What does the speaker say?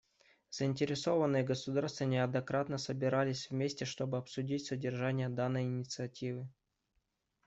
Заинтересованные государства неоднократно собирались вместе чтобы обсудить содержание данной инициативы.